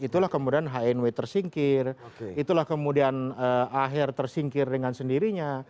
itulah kemudian hnw tersingkir itulah kemudian akhir tersingkir dengan sendirinya